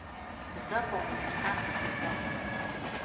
زه په مومن خان پسې ځم.